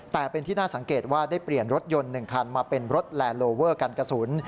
แต่เป็นที่น่าสังเกตว่าได้เปลี่ยนรถยนต์๑คันมาเป็นรถแลนดโลเวอร์กันกระสุน